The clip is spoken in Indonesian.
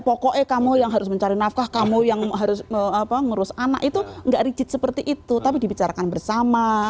karena itu kamu yang harus mencari nafkah kamu yang harus mengurus anak itu tidak rigid seperti itu tapi dibicarakan bersama